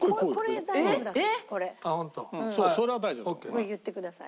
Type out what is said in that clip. これ言ってください。